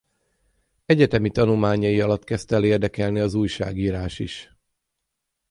Egyetemi tanulmányai alatt kezdte el érdekelni az újságírás is.